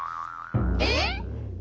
えっ！？